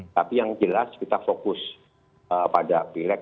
tapi yang jelas kita fokus pada pilek